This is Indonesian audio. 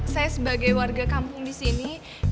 saya sebagai warga kampung disini